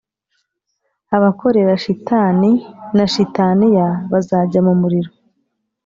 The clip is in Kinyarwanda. Abakorera shitani na shitaniya bazajya mu muriro